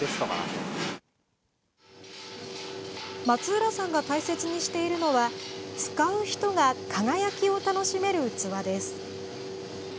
松浦さんが大切にしているのは使う人が輝きを楽しめる器です。